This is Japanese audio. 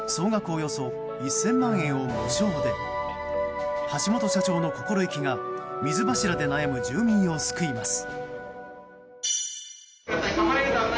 およそ１０００万円を無償で橋本社長の心意気が水柱で悩む住民を救います。